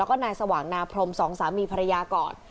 แล้วก็นายสว่างนาพรมสองสามีภรรยาก่อน